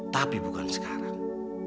tapi bukan sekarang